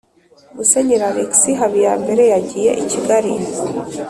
musenyeri alexis habiyambere, yagiye i kigali